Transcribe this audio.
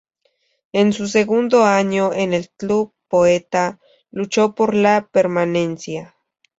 En su segundo año en el club "poeta" luchó por la permanencia.